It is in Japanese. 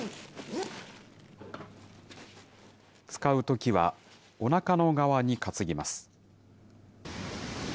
使うときはおなかの側に担ぎます。